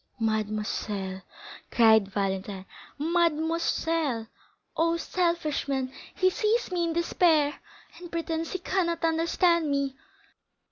"Mademoiselle," cried Valentine; "mademoiselle! Oh, selfish man! he sees me in despair, and pretends he cannot understand me!"